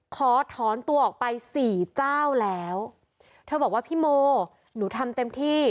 ขอถอนตัวออกไปสี่เจ้าแล้วเธอบอกว่าพี่โมหนูทำเต็มที่